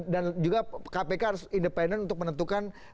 dan juga kpk harus independen untuk menentukan